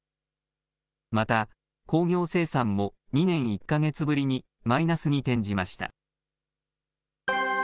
また、工業生産も２年１か月ぶりにマイナスに転じました。